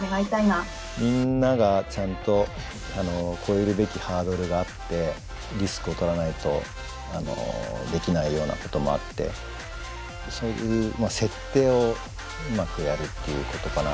みんながちゃんと越えるべきハードルがあってリスクをとらないとできないようなこともあってそういう設定をうまくやるっていうことかな。